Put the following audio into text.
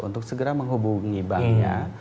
untuk segera menghubungi banknya